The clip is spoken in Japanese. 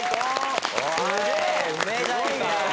すげえ！